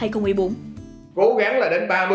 cố gắng là đến ba mươi tháng sáu